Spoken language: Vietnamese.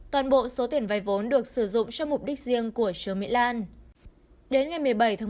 toàn bộ số tiền vay vốn được sử dụng cho mục đích riêng của trường mỹ lan